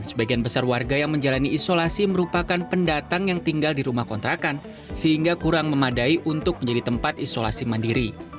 sebagian besar warga yang menjalani isolasi merupakan pendatang yang tinggal di rumah kontrakan sehingga kurang memadai untuk menjadi tempat isolasi mandiri